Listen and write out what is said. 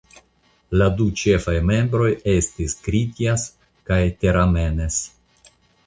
La du ĉefaj membroj estis Kritjas kaj Teramenes.